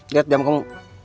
lihat jam kamu